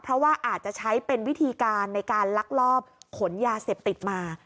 เพราะว่าอาจจะใช้เป็นวิธีการในการลักลอบขนยาเสพติดมา